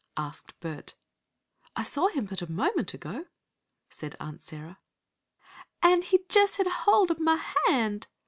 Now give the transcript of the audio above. asked Bert. "I saw him but a moment ago," said Aunt Sarah. "An' he jest had hold ob mah hand!"